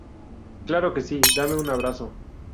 Claro que sí. Dame un abrazo.